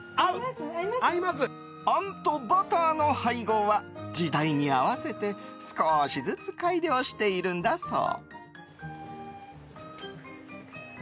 あんとバターの配合は時代に合わせて少しずつ改良しているんだそう。